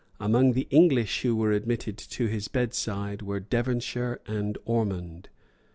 Among the English who were admitted to his bedside were Devonshire and Ormond.